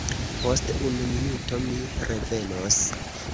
Post unu minuto mi revenos.